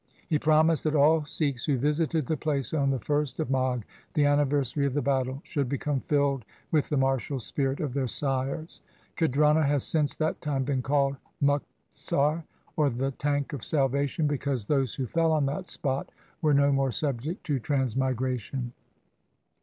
He promised that all Sikhs who visited the place on the first of Magh, the anniversary of the battle, should become filled with the martial spirit of their sires. Khidrana has since that time been called Muktsar, or the tank of salvation, because those who fell on that spot were no more subject to trans migration.